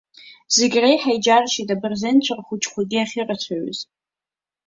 Зегь реиҳа иџьаршьеит абырзенцәа рхәыҷқәагьы ахьырацәаҩыз.